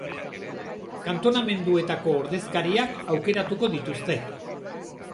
Kantonamenduetako ordezkariak aukeratuko dituzte.